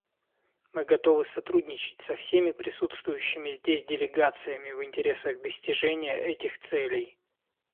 Мы готовы сотрудничать со всеми присутствующими здесь делегациями в интересах достижения этих целей.